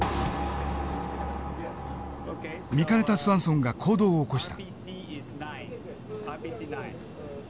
見かねたスワンソンが行動を起こした。